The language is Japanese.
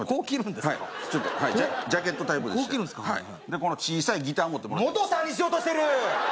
この小さいギター持ってモトさんにしようとしてる！